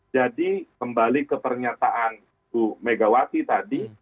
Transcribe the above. jadi kembali ke pernyataan tuh megawati tadi